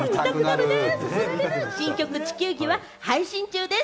新曲『地球儀』は配信中です。